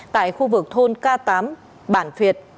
tại khu vực thôn k tám bản thuyệt